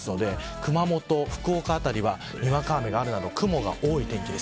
熊本、福岡辺りは、にわか雨があるなど雲が多い天気です。